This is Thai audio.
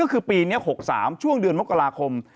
ก็คือปีนี้๖๓ช่วงเดือนมกราคม